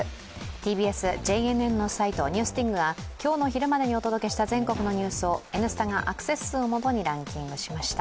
ＴＢＳ・ＪＮＮのサイト、ＮＥＷＳＤＩＧが今日の昼までにお届けした全国のニュースを「Ｎスタ」がアクセス数をもとにランキングしました。